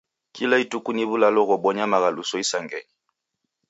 Kila ituku ni w'ulalo ghobonya maghaluso isangenyi.